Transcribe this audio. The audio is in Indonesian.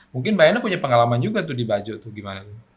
mungkin mbak ena punya pengalaman juga tuh di bajo tuh gimana